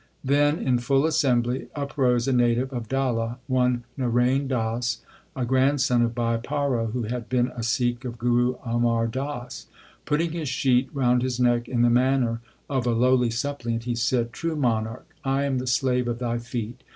Then in full assembly uprose a native of Dalla, one Narain Das, a grandson of Bhai Paro, who had been a Sikh of Guru Amar Das. Putting his sheet round his neck in the manner of a lowly suppliant, he said : True Monarch, I am the slave of thy feet.